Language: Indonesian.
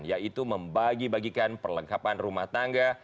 yaitu membagi bagikan perlengkapan rumah tangga